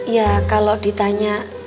ya kalau ditanya